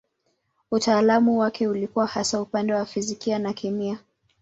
Utaalamu wake ulikuwa hasa upande wa fizikia na kemia.